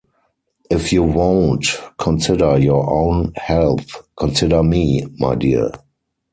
If you won’t consider your own health, consider me, my dear.